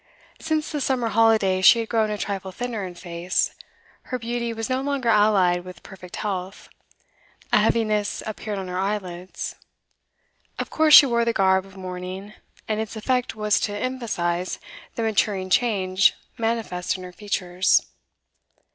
Since the summer holiday she had grown a trifle thinner in face; her beauty was no longer allied with perfect health; a heaviness appeared on her eyelids. Of course she wore the garb of mourning, and its effect was to emphasise the maturing change manifest in her features.